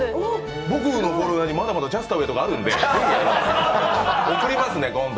僕のフォルダに、まだまだジャスタウェイとかあるので、送りますね、今度。